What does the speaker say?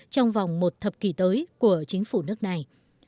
trong vòng một thập kỷ tới của chính phủ nước này